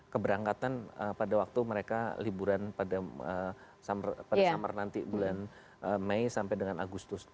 keberangkatan pada waktu mereka liburan pada summer nanti bulan mei sampai dengan agustus